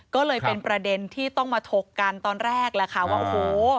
ก็เลยเป็นประเด็นที่ต้องมาถกกันตอนแรกแหละค่ะว่าโอ้โห